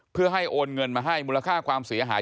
เพื่อให้โอนเงินมาให้มูลค่าความเสียหาย